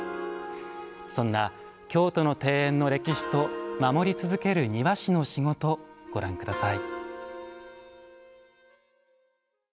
そんな、京都の庭園の歴史と守り続ける庭師の仕事をご覧ください。